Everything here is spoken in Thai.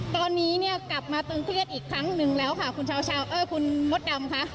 ตอนนี้เนี่ยกลับมาตึงเครียดอีกครั้งหนึ่งแล้วค่ะคุณชาวเอ้ยคุณมดดำค่ะ